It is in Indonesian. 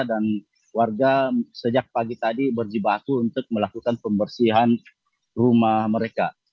dan warga sejak pagi tadi berjibaku untuk melakukan pembersihan rumah mereka